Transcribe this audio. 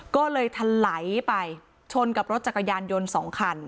ก็เลยทะไหลไปชนกับรถจักรยานยนต์๒คัน